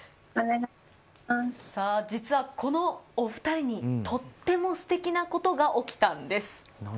実は、このお二人にとてもすてきなことが起きたんです！